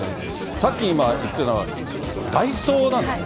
さっき言ってたのは、ダイソーなんですね。